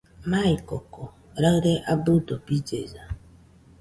Maikoko raɨre abɨdo billesa